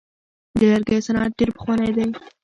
د لرګیو صنعت ډیر پخوانی دی.